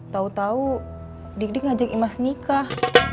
tau tau dik dik ngajak imas nikah